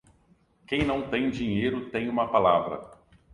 Quem não tem dinheiro, tem uma palavra.